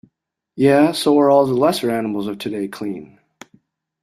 Yea, so are all the lesser animals of today clean.